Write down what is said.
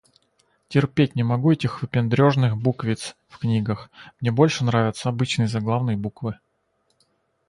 Терпеть не могу этих выпендрёжных буквиц в книгах. Мне больше нравятся обычные заглавные буквы